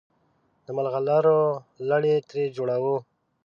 د ملغلرو لړ یې ترې جوړاوه.